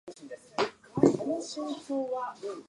ジェームズトムプソンは数多くの殺人を犯しました。